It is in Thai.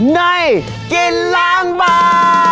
ในกินล้างบาง